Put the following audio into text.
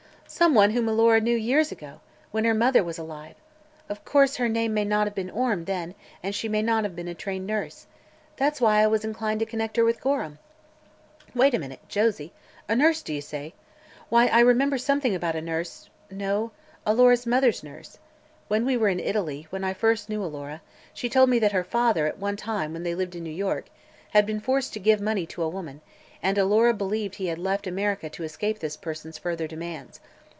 "Some one whom Alora knew years ago, when her mother was alive. Of course her name may not have been Orme, then, and she may not have been a trained nurse. That's why I was inclined to connect her with Gorham." "Wait a minute, Josie! A nurse, do you say? Why, I remember something about a nurse, no Alora's mother's nurse. When we were in Italy, where I first knew Alora, she told me that her father, at one time when they lived in New York, had been forced to give money to a woman, and Alora believed he had left America to escape this person's further demands.